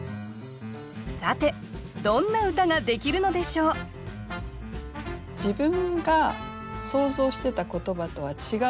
さてどんな歌ができるのでしょう自分が想像してた言葉とは違う言葉が相手から返ってきます。